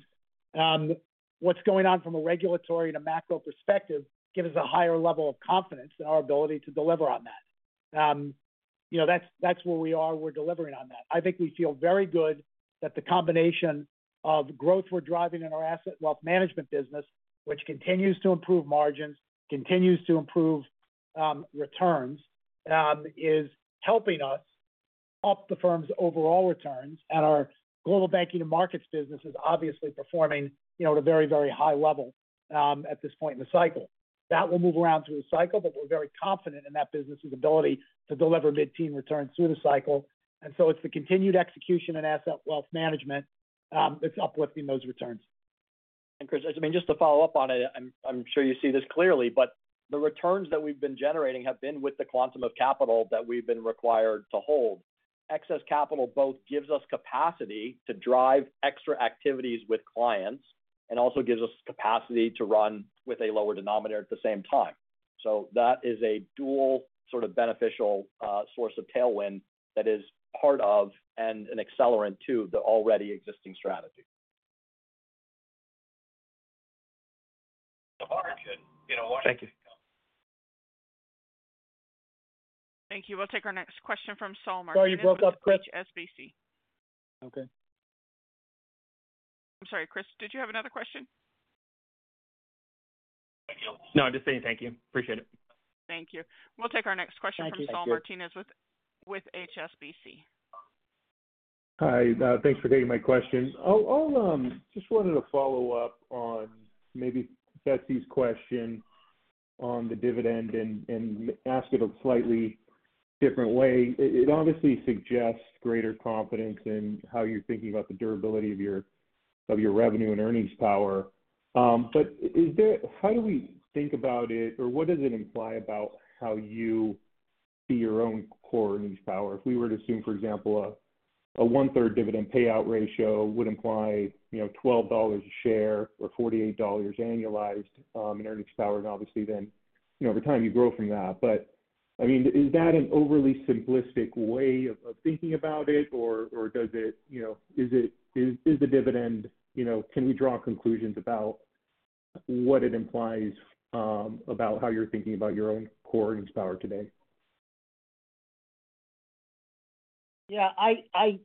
What is going on from a regulatory and a macro perspective gives us a higher level of confidence in our ability to deliver on that. That is where we are. We are delivering on that. I think we feel very good that the combination of growth we are driving in our asset wealth management business, which continues to improve margins, continues to improve returns, is helping us up the firm's overall returns, and our global banking and markets business is obviously performing at a very, very high level at this point in the cycle. That will move around through the cycle, but we are very confident in that business's ability to deliver mid-teen returns through the cycle. It's the continued execution and asset wealth management that's uplifting those returns. Chris, I mean, just to follow up on it, I'm sure you see this clearly, but the returns that we've been generating have been with the quantum of capital that we've been required to hold. Excess capital both gives us capacity to drive extra activities with clients and also gives us capacity to run with a lower denominator at the same time. That is a dual sort of beneficial source of tailwind that is part of and an accelerant to the already existing strategy. Market. Thank you. Thank you. We'll take our next question from Saul Martinez with HSBC. Okay. I'm sorry, Chris, did you have another question? No, I'm just saying thank you. Appreciate it. Thank you. We'll take our next question from Saul Martinez with HSBC. Hi. Thanks for taking my question. I just wanted to follow up on maybe Betsy's question on the dividend and ask it a slightly different way. It obviously suggests greater confidence in how you're thinking about the durability of your revenue and earnings power. How do we think about it, or what does it imply about how you see your own core earnings power? If we were to assume, for example, a 1/3 dividend payout ratio would imply $12 a share or $48 annualized in earnings power, and obviously, over time, you grow from that. I mean, is that an overly simplistic way of thinking about it, or is the dividend—can we draw conclusions about what it implies about how you're thinking about your own core earnings power today? Yeah. I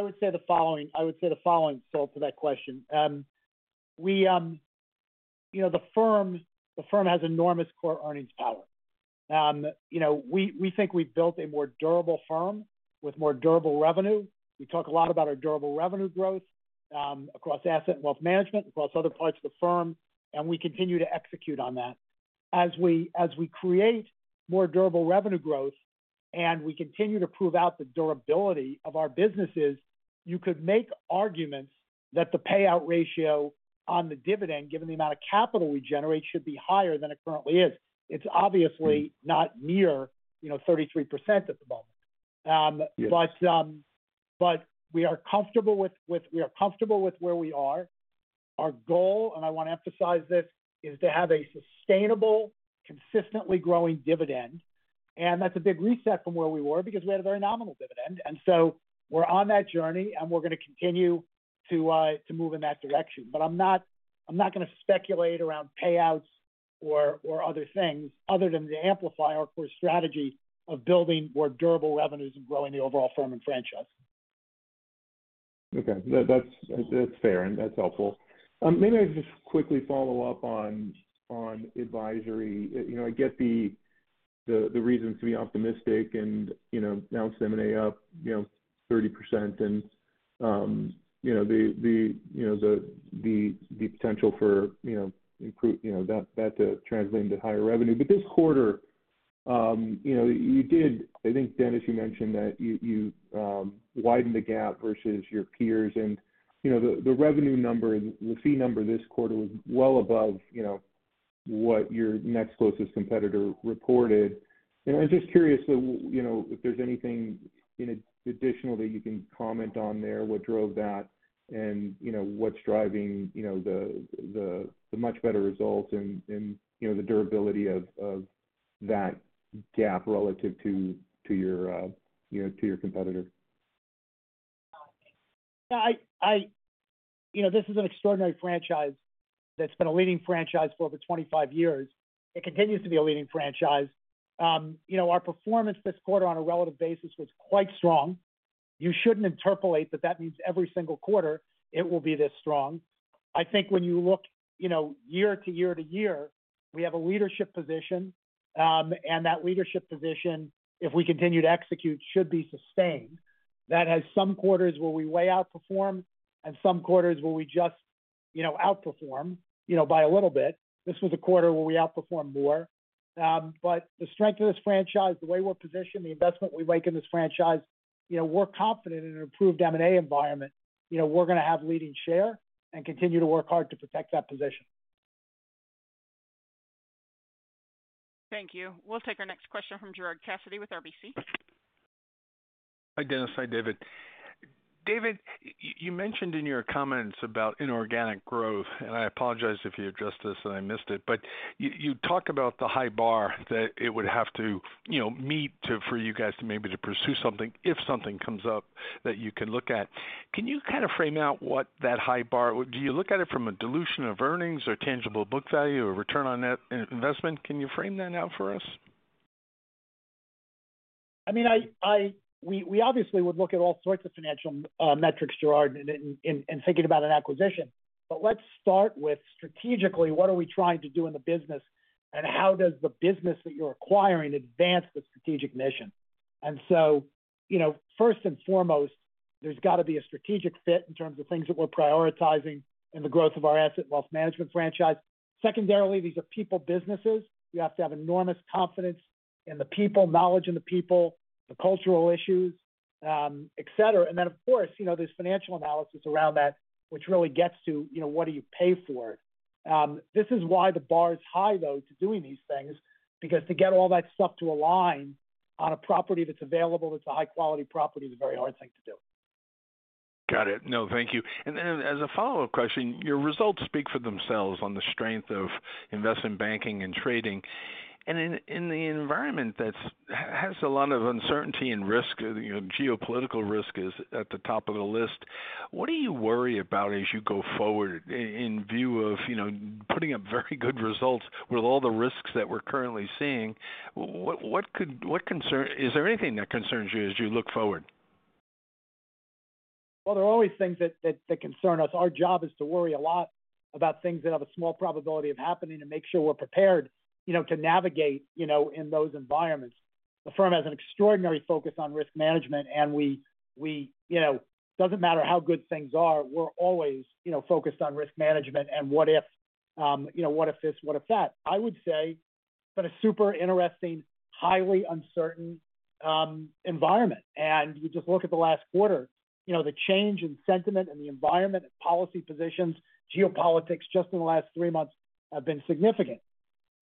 would say the following. I would say the following, Saul, to that question. The firm has enormous core earnings power. We think we've built a more durable firm with more durable revenue. We talk a lot about our durable revenue growth across asset and wealth management, across other parts of the firm, and we continue to execute on that. As we create more durable revenue growth and we continue to prove out the durability of our businesses, you could make arguments that the payout ratio on the dividend, given the amount of capital we generate, should be higher than it currently is. It's obviously not near 33% at the moment. We are comfortable with where we are. Our goal—I want to emphasize this—is to have a sustainable, consistently growing dividend. That is a big reset from where we were because we had a very nominal dividend. We're on that journey, and we're going to continue to move in that direction. I'm not going to speculate around payouts or other things other than the amplifier for a strategy of building more durable revenues and growing the overall firm and franchise. Okay. That's fair, and that's helpful. Maybe I just quickly follow up on advisory. I get the reason to be optimistic and announce M&A up 30% and the potential for that to translate into higher revenue. This quarter, you did—I think, Denis, you mentioned that you widened the gap versus your peers. The revenue number, the fee number this quarter was well above what your next closest competitor reported. I'm just curious if there's anything additional that you can comment on there, what drove that, and what's driving the much better results and the durability of that gap relative to your competitor. Yeah. This is an extraordinary franchise that's been a leading franchise for over 25 years. It continues to be a leading franchise. Our performance this quarter on a relative basis was quite strong. You shouldn't interpolate that that means every single quarter it will be this strong. I think when you look year to year to year, we have a leadership position, and that leadership position, if we continue to execute, should be sustained. That has some quarters where we way outperform and some quarters where we just outperform by a little bit. This was a quarter where we outperformed more. The strength of this franchise, the way we're positioned, the investment we make in this franchise, we're confident in an improved M&A environment. We're going to have leading share and continue to work hard to protect that position. Thank you. We'll take our next question from Gerard Cassidy with RBC. Hi, Denis. Hi, David. David, you mentioned in your comments about inorganic growth, and I apologize if you addressed this and I missed it, but you talked about the high bar that it would have to meet for you guys to maybe pursue something if something comes up that you can look at. Can you kind of frame out what that high bar—do you look at it from a dilution of earnings or tangible book value or return on investment? Can you frame that out for us? I mean, we obviously would look at all sorts of financial metrics, Gerard, in thinking about an acquisition. Let's start with strategically, what are we trying to do in the business, and how does the business that you're acquiring advance the strategic mission? First and foremost, there's got to be a strategic fit in terms of things that we're prioritizing in the growth of our asset wealth management franchise. Secondarily, these are people businesses. You have to have enormous confidence in the people, knowledge in the people, the cultural issues, etc. Of course, there's financial analysis around that, which really gets to what do you pay for it? This is why the bar is high, though, to doing these things, because to get all that stuff to align on a property that's available, that's a high-quality property, is a very hard thing to do. Got it. No, thank you. As a follow-up question, your results speak for themselves on the strength of investment banking and trading. In an environment that has a lot of uncertainty and risk, geopolitical risk is at the top of the list. What do you worry about as you go forward in view of putting up very good results with all the risks that we're currently seeing? What concerns—is there anything that concerns you as you look forward? There are always things that concern us. Our job is to worry a lot about things that have a small probability of happening and make sure we're prepared to navigate in those environments. The firm has an extraordinary focus on risk management, and it doesn't matter how good things are. We're always focused on risk management and what if, what if this, what if that. I would say it's been a super interesting, highly uncertain environment. You just look at the last quarter, the change in sentiment and the environment and policy positions, geopolitics just in the last three months have been significant.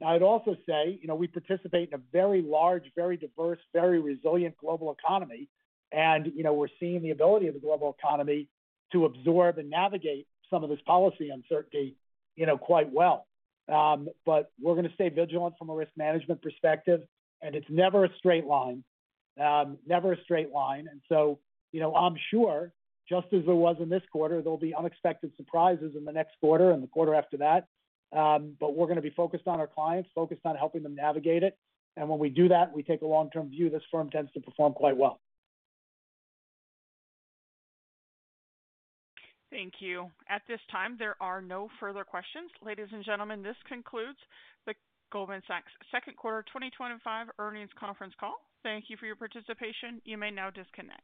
Now, I'd also say we participate in a very large, very diverse, very resilient global economy, and we're seeing the ability of the global economy to absorb and navigate some of this policy uncertainty quite well. We're going to stay vigilant from a risk management perspective, and it's never a straight line, never a straight line. I'm sure, just as there was in this quarter, there'll be unexpected surprises in the next quarter and the quarter after that. We're going to be focused on our clients, focused on helping them navigate it. When we do that, we take a long-term view. This firm tends to perform quite well. Thank you. At this time, there are no further questions. Ladies and gentlemen, this concludes the Goldman Sachs Second Quarter 2025 earnings conference call. Thank you for your participation. You may now disconnect.